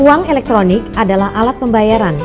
uang elektronik adalah alat pembayaran